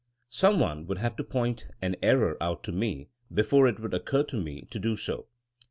Some one would have to point an error out to me before it would occur to me to do so.